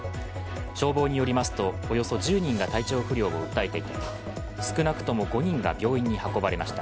消防によりますと、およそ１０人が体調不良を訴えていて、少なくとも５人が病院に運ばれました。